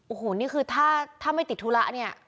โอ้โหนี่คือถ้าไม่ติดธุระเนี่ย